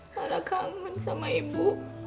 mala kangen sama ibu